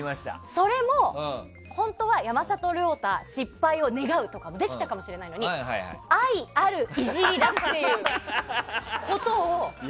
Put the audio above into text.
それも本当は山里亮太の失敗を願うとかともできたかもしれないのに愛あるイジリだってことを。